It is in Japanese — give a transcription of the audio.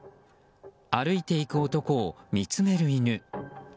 歩いていく男を見つめる犬。